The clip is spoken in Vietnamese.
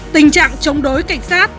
tình trạng chống đối cảnh sát